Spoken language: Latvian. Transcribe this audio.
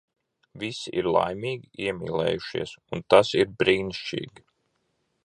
Visi ir laimīgi, iemīlējušies. Un tas ir brīnišķīgi.